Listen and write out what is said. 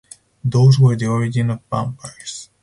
Those were the origin of vampires.